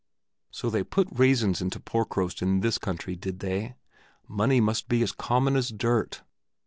So they put raisins into roast pork in this country, did they? Money must be as common as dirt!